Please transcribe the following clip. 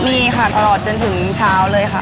มีค่ะตลอดจนถึงเช้าเลยค่ะ